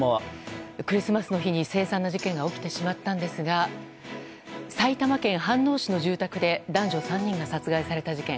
クリスマスの日に凄惨な事件が起きてしまったんですが埼玉県飯能市の住宅で男女３人が殺害された事件。